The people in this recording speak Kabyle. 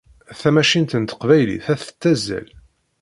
Tamacint n teqbaylit ad tettazzal.